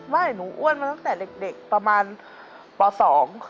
หนูอ้วนมาตั้งแต่เด็กประมาณป๒